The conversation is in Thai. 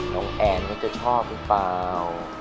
โน่งแอนก็จะชอบหรือเปล่า